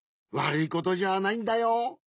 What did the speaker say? わるいことじゃないんだよ。